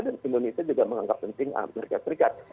dan indonesia juga menganggap penting amerika serikat